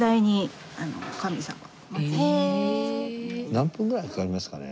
何分ぐらいかかりますかね？